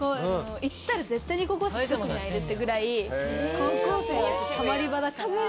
行ったら絶対に高校生すぐに会えるってぐらい高校生のたまり場だから。